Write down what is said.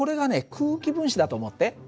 空気分子だと思って。